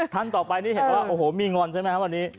ท่านต่อไปยินว่ามีงอนใช่ไหมครับวันนี้